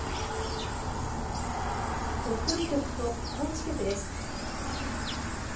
鳥取局と高知局です。